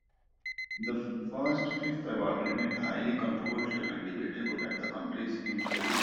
The first fifth award remained highly controversial and debatable at the country's news channels.